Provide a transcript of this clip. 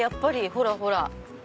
ほらほら。